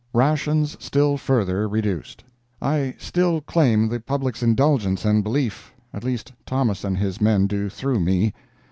RATIONS STILL FURTHER REDUCED I still claim the public's indulgence and belief. At least Thomas and his men do through me.